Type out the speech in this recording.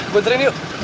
gue tarik dia